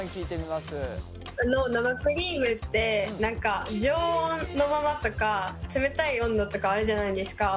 あの生クリームって常温のままとか冷たい温度とかあるじゃないですか。